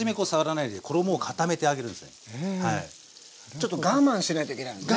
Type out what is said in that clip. ちょっと我慢しないといけないのね。